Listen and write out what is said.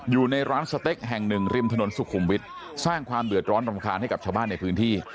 อยู่ในร้านสเต็กแห่งหนึ่งริมถนนสุขุมวิทย์สร้างความเดือดร้อนรำคาญให้กับชาวบ้านในพื้นที่